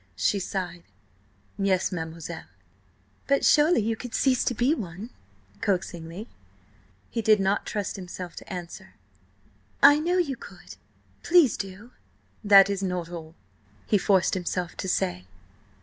she sighed "Yes, mademoiselle." "But surely you could cease to be one?" coaxingly. He did not trust himself to answer. "I know you could. Please do!" "That is not all," he forced himself to say.